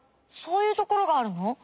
そういうところがあるの？